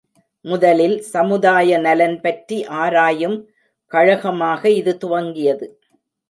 முதலில் சமுதாய நலன்பற்றி ஆராயும் கழகமாக இது துவங்கியது.